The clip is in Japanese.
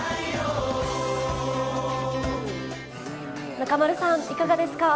中丸さん、いかがですか。